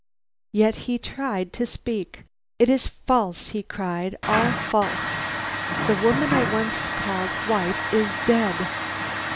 Yet he tried to speak. "It is false!" he cried; "all false! The woman I once called wife is dead."